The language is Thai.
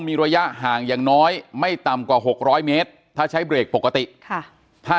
มีระยะห่างอย่างน้อยไม่ต่ำกว่า๖๐๐เมตรถ้าใช้เบรกปกติค่ะถ้า